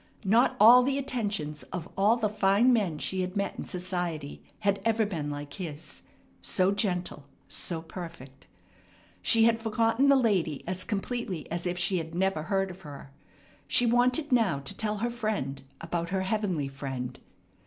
Not all the attentions of all the fine men she had met in society had ever been like his, so gentle, so perfect. She had forgotten the lady as completely as if she had never heard of her. She wanted now to tell her friend about her heavenly Friend.